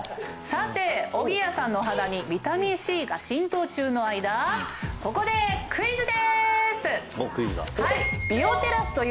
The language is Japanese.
さておぎやさんのお肌にビタミンＣが浸透中の間ここでクイズです！